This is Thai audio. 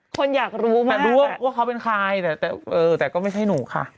คนอยากรู้ไหมแต่รู้ว่าเขาเป็นใครแต่เออแต่ก็ไม่ใช่หนูค่ะ